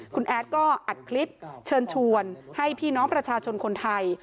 คุณแอดก็อัดคลิปเชิญชวนให้พี่น้องประชาชนคนไทย